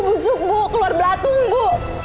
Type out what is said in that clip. busuk bu keluar belatung bu